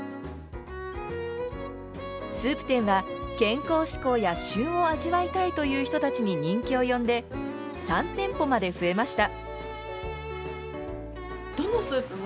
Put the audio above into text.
スープ店は健康志向や旬を味わいたいという人たちに人気を呼んで３店舗まで増えました。